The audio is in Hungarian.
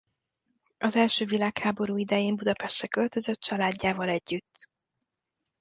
Az első világháború idején Budapestre költözött családjával együtt.